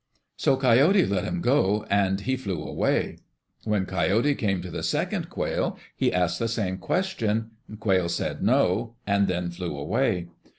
So Coyote let him go and he flew away. When Coyote came to the second quail, he asked the same question. Quail said, "No," and then flew away.